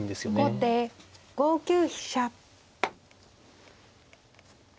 後手５九飛車。